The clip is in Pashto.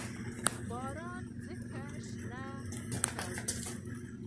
باران ځمکه شنه کوي.